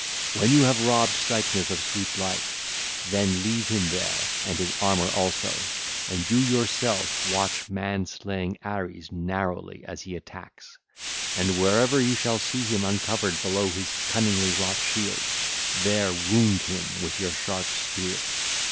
When you have robbed Cycnus of sweet life, then leave him there and his armour also, and you yourself watch man slaying Ares narrowly as he attacks, and wherever you shall see him uncovered below his cunningly wrought shield, there wound him with your sharp spear.